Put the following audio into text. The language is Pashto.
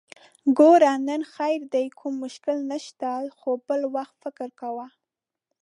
ګوره! نن خير دی، کوم مشکل نشته، خو بل وخت فکر کوه!